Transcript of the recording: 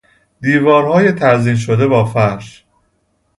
دیوارهای تزئین شده با فرش